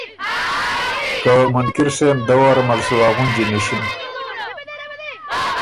که منکِر سېم دوار کی مل سُو ا غُنجی نِݭِن